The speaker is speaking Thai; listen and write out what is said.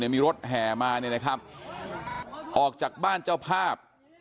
มีรถแห่มาออกจากบ้านเจ้าภาพ